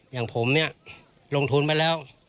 อย่างผมลงทุนไปแล้ว